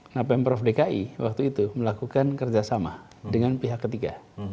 nah pemprov dki waktu itu melakukan kerjasama dengan pihak ketiga